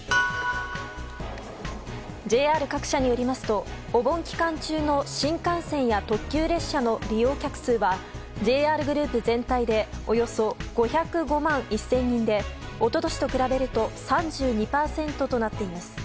ＪＲ各社によりますとお盆期間中の新幹線や特急列車の利用客数はＪＲグループ全体でおよそ５０５万１０００人で一昨年と比べると３２％となっています。